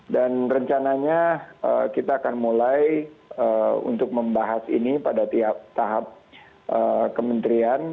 dan rencananya kita akan mulai untuk membahas ini pada tiap tahap kementerian